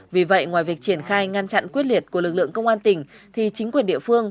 vì vậy ngoài việc triển khai ngăn chặn quyết liệt của lực lượng công an tỉnh thì chính quyền địa phương